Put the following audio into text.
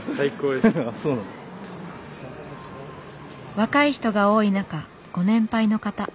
若い人が多い中ご年配の方。